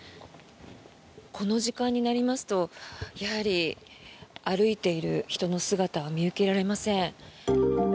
この時間になりますとやはり歩いている人の姿は見受けられません。